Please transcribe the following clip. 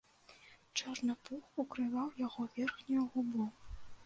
Чорны пух укрываў яго верхнюю губу.